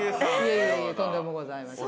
いえいえとんでもございません。